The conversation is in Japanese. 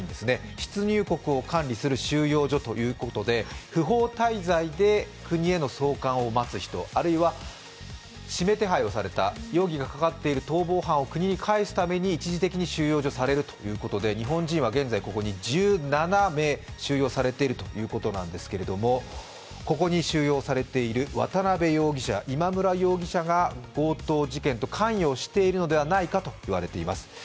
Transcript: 出入国を管理する収容所ということで不法滞在で国への送還を待つ人、あるいは指名手配をされた、容疑がかかっている逃亡犯を国に帰すために一時的に収容されるということで、日本人は現在ここに１７名収容されているということなんですけどここに収容されている渡辺容疑者、今村容疑者が強盗事件と関与しているのではないかと言われています。